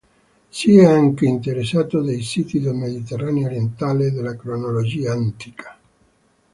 Si è anche interessato dei siti del Mediterraneo orientale e della cronologia antica.